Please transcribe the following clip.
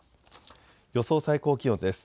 予想最高気温です。